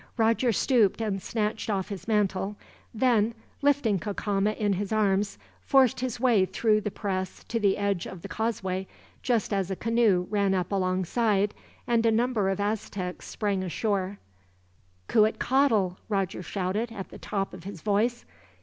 Roger stooped and snatched off his mantle; then, lifting Cacama in his arms, forced his way through the press to the edge of the causeway, just as a canoe ran up alongside, and a number of Aztecs sprang ashore. "Cuitcatl!" Roger shouted, at the top of his voice.